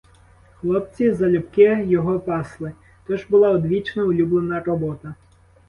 Хлопці залюбки його пасли — то ж була одвічно улюблена робота.